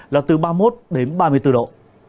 là từ ba mươi một đến ba mươi bốn độ